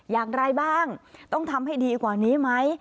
อย่างไรบ้างต้องทำให้ดีกว่านี้ไหม